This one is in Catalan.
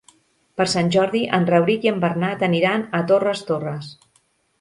Per Sant Jordi en Rauric i en Bernat aniran a Torres Torres.